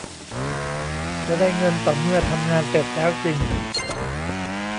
จะได้เงินต่อเมื่อทำงานเสร็จแล้วจริง